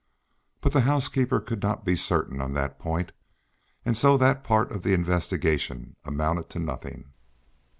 But the housekeeper could not be certain on that point, and so that part of the investigation amounted to nothing.